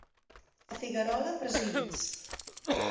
A Figuerola, presumits.